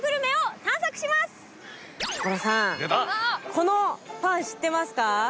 このパン知ってますか？